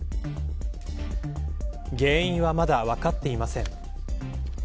原因はまだ分かっていません。